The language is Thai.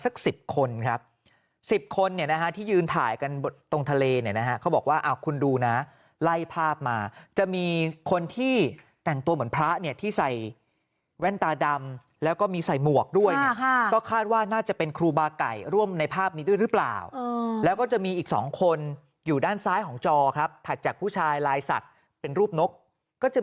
สัก๑๐คนครับ๑๐คนเนี่ยนะฮะที่ยืนถ่ายกันตรงทะเลเนี่ยนะฮะเขาบอกว่าคุณดูนะไล่ภาพมาจะมีคนที่แต่งตัวเหมือนพระเนี่ยที่ใส่แว่นตาดำแล้วก็มีใส่หมวกด้วยเนี่ยก็คาดว่าน่าจะเป็นครูบาไก่ร่วมในภาพนี้ด้วยหรือเปล่าแล้วก็จะมีอีกสองคนอยู่ด้านซ้ายของจอครับถัดจากผู้ชายลายศักดิ์เป็นรูปนกก็จะ